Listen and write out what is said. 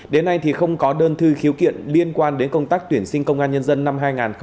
đến nay thì không có đơn thư khiếu kiện liên quan đến công tác tuyển sinh công an nhân dân năm hai nghìn hai mươi